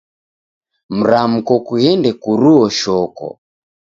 Mramko kughende kuruo shoko.